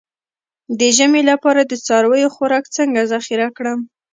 د ژمي لپاره د څارویو خوراک څنګه ذخیره کړم؟